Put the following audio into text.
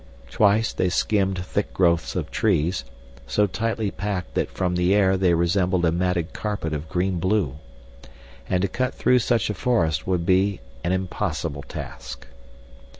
Twice they skimmed thick growths of trees, so tightly packed that from the air they resembled a matted carpet of green blue. And to cut through such a forest would be an impossible task.